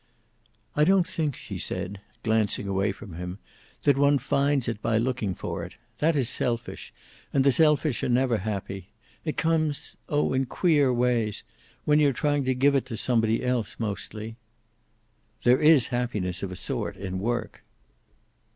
"I don't think," she said, glancing away from him, "that one finds it by looking for it. That is selfish, and the selfish are never happy. It comes oh, in queer ways. When you're trying to give it to somebody else, mostly." "There is happiness, of a sort, in work."